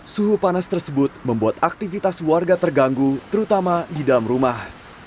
suhu panas tersebut membuat aktivitas warga terganggu terutama di dalam rumah